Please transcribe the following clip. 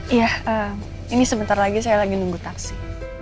iya ini sebentar lagi saya lagi nunggu taksi